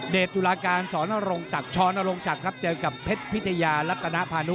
ตุลาการสอนรงศักดิ์ช้อนรงศักดิ์ครับเจอกับเพชรพิทยารัตนพานุ